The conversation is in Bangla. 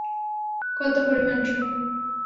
কত পরিমাণ সোনা?